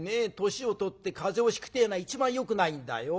年を取って風邪をひくってえのが一番よくないんだよ。